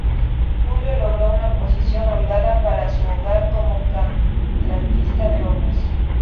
Julio logró una posición holgada para su hogar como contratista de obras.